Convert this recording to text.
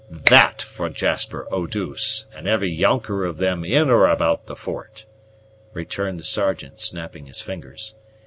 "That for Jasper Eau douce, and every younker of them in or about the fort!" returned the Sergeant, snapping his fingers.